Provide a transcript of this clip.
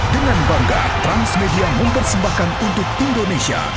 dengan bangga transmedia mempersembahkan untuk indonesia